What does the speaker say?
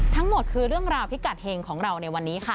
ทั้งหมดคือเรื่องราวพิกัดเฮงของเราในวันนี้ค่ะ